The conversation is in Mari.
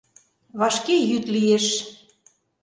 Вашке йӱд лиеш.